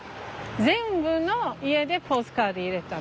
全部の家でポストカード入れたの。